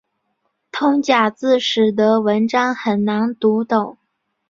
通假字使得文章很难读懂。